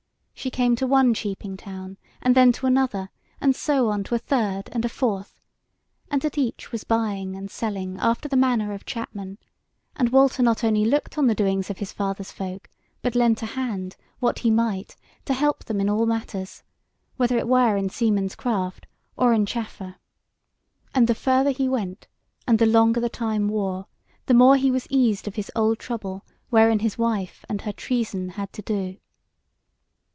She came to one cheaping town and then to another, and so on to a third and a fourth; and at each was buying and selling after the manner of chapmen; and Walter not only looked on the doings of his father's folk, but lent a hand, what he might, to help them in all matters, whether it were in seaman's craft, or in chaffer. And the further he went and the longer the time wore, the more he was eased of his old trouble wherein his wife and her treason had to do.